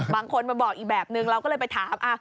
บางคนมาบอกอีกแบบนึงเราก็เลยไปถาม